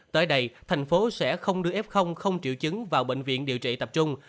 tới đây thành phố sẽ không đưa f không triệu chứng vào bệnh viện điều trị tập trung